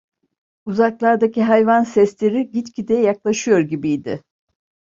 Uzaklardaki hayvan sesleri gitgide yaklaşıyor gibiydi.